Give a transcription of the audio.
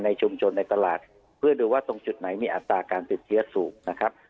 ชุมชนในตลาดเพื่อดูว่าตรงจุดไหนมีอัตราการติดเชื้อสูงนะครับ